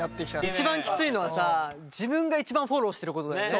一番きついのはさ自分が一番フォローしてることだよね。